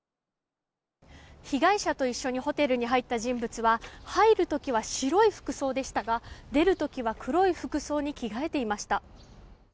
被害者と一緒にホテルに入った人物は入る時は白い服装でしたが出る時は黒い服装に着替えていました。